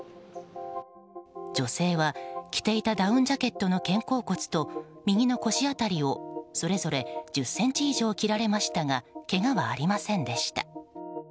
女性は着ていたダウンジャケットの肩甲骨と右の腰辺りをそれぞれ１０ｃｍ以上切られましたがけがはありませんでした。